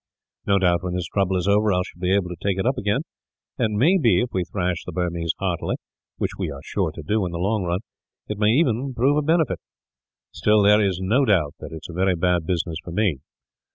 No doubt, when this trouble is over. I shall be able to take it up again; and it may be, if we thrash the Burmese heartily, which we are sure to do in the long run, it may even prove a benefit. Still, there is no doubt that it is a very bad business for me.